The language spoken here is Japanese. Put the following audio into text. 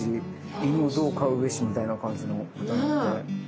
犬をどう飼うべしみたいな感じの。